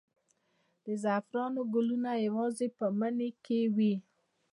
د زعفرانو ګلونه یوازې په مني کې وي؟